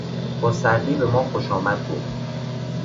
با سردی به ما خوشامد گفت.